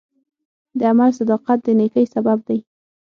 د عمل صداقت د نیکۍ سبب دی.